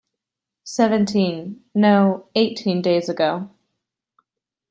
Seventeen, no, eighteen days ago.